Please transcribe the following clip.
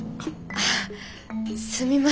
あすみません。